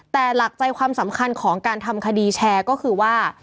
แต่หลักใจความสำคัญของการทำคดีแชร์ก็คือว่า